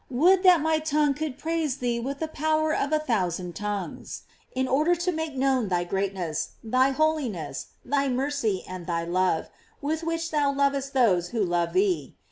Would that my tongue could praise thee with the power of a thousand tongues, in order to make known thy greatness, thy holi ness, thy mercy, and thy love, with which thou lovest those who love thee.